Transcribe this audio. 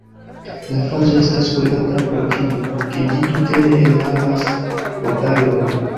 La frazo estas konata pro tio, ke ĝi tute ne enhavas vokalojn.